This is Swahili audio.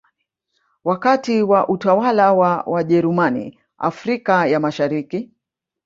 Wakati wa utawala wa Wajerumani Afrika ya Mashariki